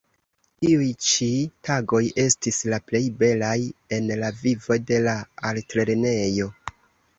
Tiuj ĉi tagoj estis la plej belaj en la vivo de la artlernejo.